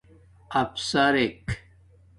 افسرک